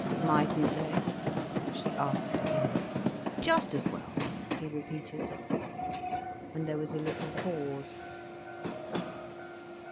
"Mightn't they?" she asked again. "Just as well," he repeated. And there was a little pause.